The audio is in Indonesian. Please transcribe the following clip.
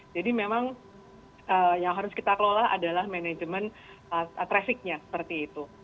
jadi memang yang harus kita kelola adalah manajemen trafiknya seperti itu